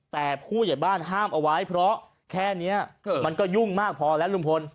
แต่ผู้ใหญ่บ้านห้ามเอาไว้เพราะแค่นี้มันก็ยุ่งมากพอแล้วลุงพล